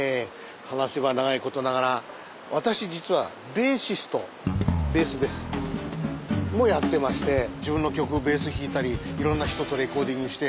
話せば長いことながら私実はベーシストベースです。もやってまして自分の曲をベース弾いたりいろんな人とレコーディングして。